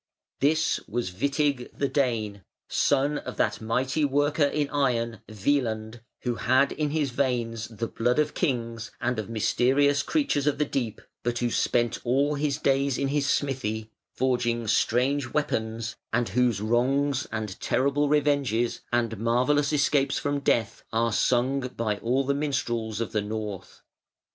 This was Witig, the Dane, son of that mighty worker in iron, Wieland, who had in his veins the blood of kings and of mysterious creatures of the deep, but who spent all his days in his smithy, forging strange weapons, and whose wrongs and terrible revenges and marvellous escapes from death are sung by all the minstrels of the North.